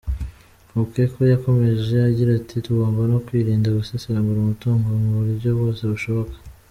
Mfumukeko yakomeje agira ati “Tugomba no kwirinda gusesagura umutungo mu buryo bwose bushoboka.